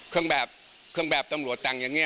คือครึ่งแบบตำรวจแต่งอย่างนี้